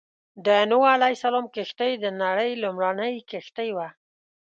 د نوح عليه السلام کښتۍ د نړۍ لومړنۍ کښتۍ وه.